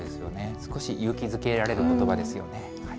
少し勇気づけられることばですよね。